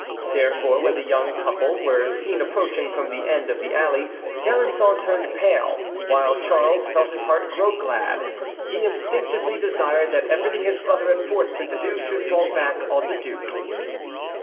Therefore when the young couple were seen approaching from the end of the alley, D'Alençon turned pale, while Charles felt his heart grow glad; he instinctively desired that everything his brother had forced him to do should fall back on the duke.